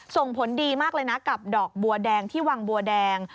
ส่งผลดีมากเลยนะกับดอกบัวแดงที่วังบัวแดง